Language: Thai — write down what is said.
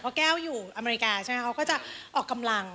เพราะแก้วอยู่อเมริกาใช่ไหมเขาก็จะออกกำลัง